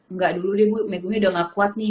enggak dulu deh megumi udah gak kuat nih